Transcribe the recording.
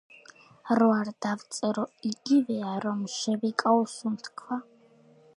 რო არ დავწერო იგივეა რომ შევიკავო სუნთქვა